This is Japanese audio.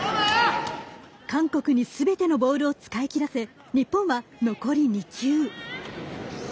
韓国にすべてのボールを使い切らせ日本は、残り２球。